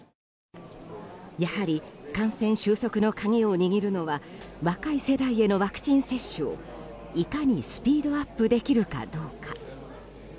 やはり感染収束の鍵を握るのは若い世代へのワクチン接種をいかにスピードアップできるかどうか。